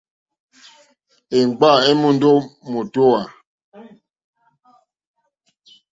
Èmgbâ èmùndá ó mǒtówà.